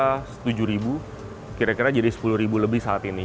sekitar tujuh ribu kira kira jadi sepuluh ribu lebih saat ini